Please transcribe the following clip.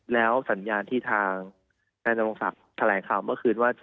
แล้วสัญญาณที่ทางแนวสัตว์ภารกิจแถลงคล้ายเมื่อคืน